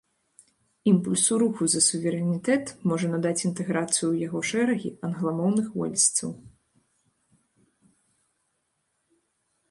Імпульсу руху за суверэнітэт можа надаць інтэграцыя ў яго шэрагі англамоўных уэльсцаў.